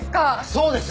そうです。